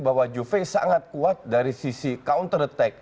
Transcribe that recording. bahwa juve sangat kuat dari sisi counter attack